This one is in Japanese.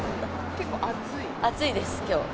暑いです、きょう。